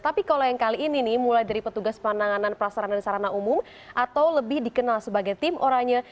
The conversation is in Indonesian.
tapi kalau yang kali ini nih mulai dari petugas penanganan prasarana dan sarana umum atau lebih dikenal sebagai tim oranye